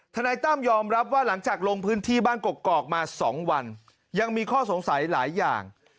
นายตั้มยอมรับว่าหลังจากลงพื้นที่บ้านกกอกมา๒วันยังมีข้อสงสัยหลายอย่าง